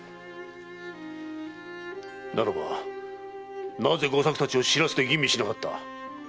ならばなぜ吾作たちを白州で吟味しなかった？